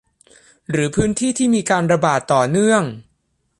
หรือพื้นที่ที่มีการระบาดต่อเนื่อง